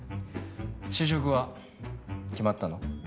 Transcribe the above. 就職は決まったの？